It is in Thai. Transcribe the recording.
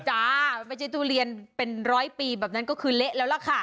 จ้าไม่ใช่ทุเรียนเป็นร้อยปีแบบนั้นก็คือเละแล้วล่ะค่ะ